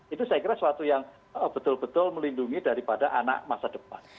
itu saya kira suatu yang betul betul melindungi daripada anak masa depan